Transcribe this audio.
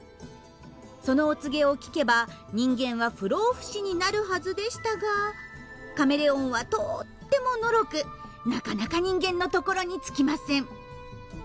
そのお告げを聞けば人間は不老不死になるはずでしたがカメレオンはとてものろくなかなか人間のところに着きません。